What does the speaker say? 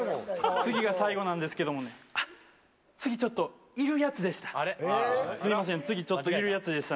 次が最後なんですけれども、あっ、次、ちょっといるやつでした。